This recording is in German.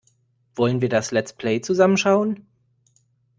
Wollen wir das Let's Play zusammen schauen?